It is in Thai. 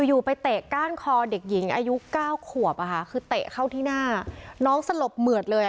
อยู่ไปเตะก้านคอเด็กหญิงอายุเก้าขวบอะค่ะคือเตะเข้าที่หน้าน้องสลบเหมือดเลยอ่ะ